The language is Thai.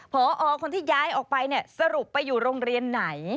พอคนที่ย้ายออกไปเนี่ยสรุปไปอยู่โรงเรียนไหน